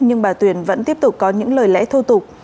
nhưng bà tuyền vẫn tiếp tục có những lời lẽ thô tục